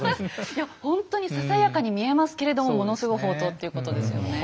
いやほんとにささやかに見えますけれどもものすごい法灯っていうことですよね。